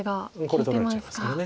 これ取られちゃいますから。